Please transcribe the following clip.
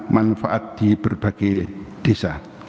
manfaat di berbagai desa